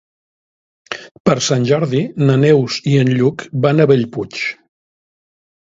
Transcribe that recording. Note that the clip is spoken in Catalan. Per Sant Jordi na Neus i en Lluc van a Bellpuig.